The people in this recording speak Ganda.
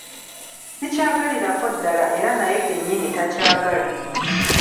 Sikyagalirako ddala era naye kenyini takyagala.